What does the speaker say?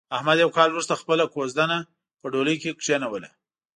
احمد یو کال ورسته خپله کوزدنه په ډولۍ کې کېنوله.